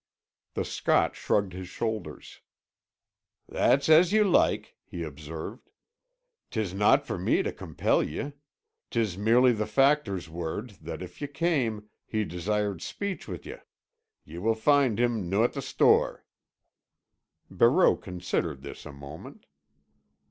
The Scot shrugged his shoulders. "That's as ye like," he observed. "'Tis not for me tae compel ye. 'Tis merely the factor's word that if ye came, he desired speech wi' ye. Ye will find him noo at the store." Barreau considered this a moment.